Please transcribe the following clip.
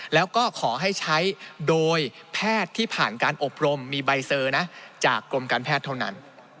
แล้วก็ขอให้ใช้โดยแพทย์ที่ผ่านการอบรมมีใบเซอร์นะจากกรมการแพทย์เท่านั้น